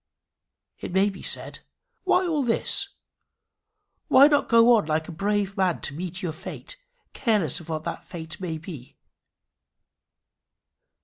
It may be said, "Why all this? Why not go on like a brave man to meet your fate, careless of what that fate may be?"